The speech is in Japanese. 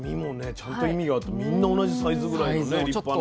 ちゃんと意味があってみんな同じサイズぐらいのね立派の。